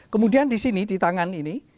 kemudian di sini di tangan ini